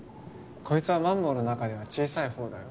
こいつはマンボウの中では小さい方だよ。